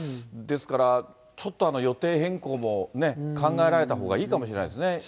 ですから、ちょっと予定変更もね、考えられたほうがいいかもしれないですね。